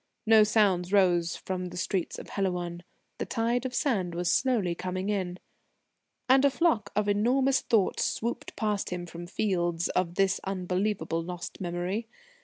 No sounds rose from the streets of Helouan. The tide of sand was coming slowly in. And a flock of enormous thoughts swooped past him from fields of this unbelievable, lost memory.